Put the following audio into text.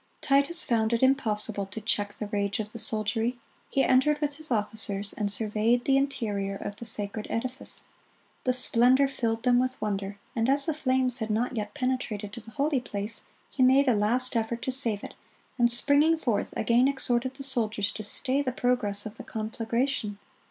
"Titus found it impossible to check the rage of the soldiery; he entered with his officers, and surveyed the interior of the sacred edifice. The splendor filled them with wonder; and as the flames had not yet penetrated to the holy place, he made a last effort to save it, and springing forth, again exhorted the soldiers to stay the progress of the conflagration.